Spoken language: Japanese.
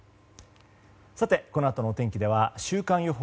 このあとのお天気では週間予報